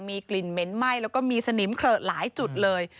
มีกลิ่นเหม็นไหม้แล้วก็มีสนิมเขละหลายจุดเลย